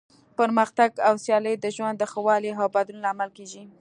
پرمختګ او سیالي د ژوند د ښه والي او بدلون لامل کیږي.